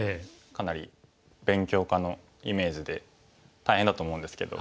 かなり勉強家のイメージで大変だと思うんですけど。